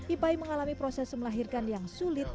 ipai mengalami proses melahirkan yang sulit